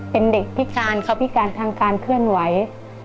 เป็นเด็กพิการทางการเคลื่อนไหว